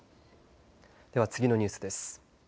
では次のニュースです。